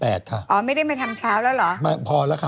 อ๋อไม่ได้มาทำเช้าแล้วเหรอ